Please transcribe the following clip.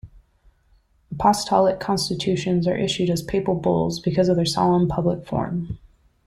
Apostolic constitutions are issued as papal bulls because of their solemn, public form.